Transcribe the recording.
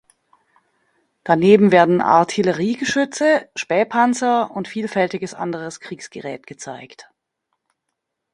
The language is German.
Daneben werden Artilleriegeschütze, Spähpanzer und vielfältiges anderes Kriegsgerät gezeigt.